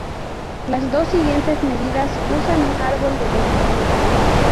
Las dos siguientes medidas usan un árbol de decisión.